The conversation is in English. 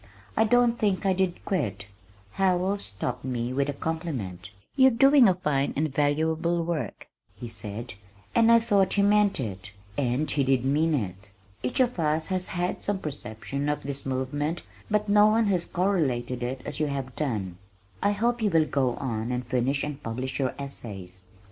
I don't think I did quit. Howells stopped me with a compliment. "You're doing a fine and valuable work," he said, and I thought he meant it and he did mean it. "Each of us has had some perception of this movement but no one has correlated it as you have done. I hope you will go on and finish and publish your essays."